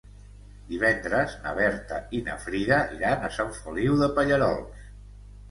Divendres na Berta i na Frida iran a Sant Feliu de Pallerols.